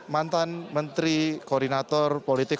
mantan menteri koordinator politik